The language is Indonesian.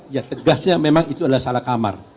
ya tegasnya memang itu adalah salah kamar